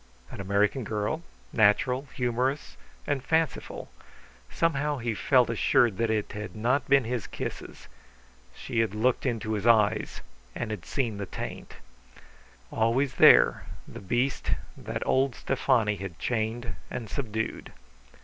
An American girl, natural, humorous, and fanciful. Somehow he felt assured that it had not been his kisses; she had looked into his eyes and seen the taint. Always there, the beast that old Stefani had chained and subdued.